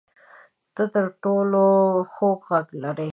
ته تر ټولو خوږ غږ لرې